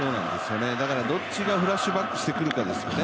だからどっちがフラッシュバックしてくるかですよね。